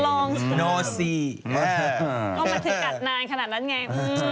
เข้ามาที่กัดนานขนาดนั้นไง